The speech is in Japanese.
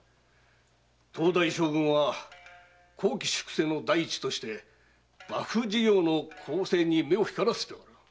当代将軍は綱紀粛正の第一として幕府事業の公正に目を光らせている。